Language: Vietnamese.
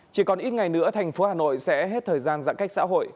chỉ còn ít ngày nữa thành phố hà nội sẽ hết thời gian giãn cách xã hội